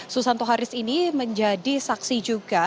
susanto haris ini menjadi saksi juga